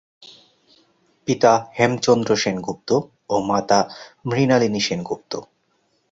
পিতা হেমচন্দ্র সেনগুপ্ত ও মাতা মৃণালিনী সেনগুপ্ত।